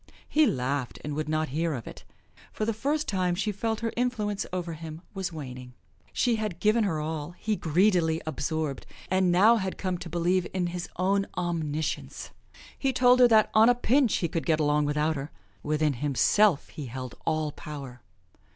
He laughed and would not hear of it. For the first time she felt her influence over him was waning. She had given her all; he greedily absorbed, and now had come to believe in his own omniscience. He told her that on a pinch he could get along without her within himself he held all power.